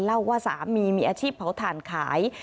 เล่าว่าสามีมีอาชีพเผาถ่านขาย